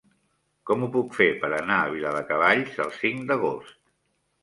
Com ho puc fer per anar a Viladecavalls el cinc d'agost?